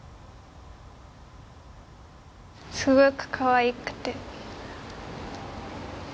すごくかわいくて。